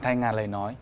vâng xin anh việt hùng